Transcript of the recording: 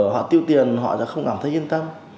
họ tiêu tiền họ sẽ không cảm thấy yên tâm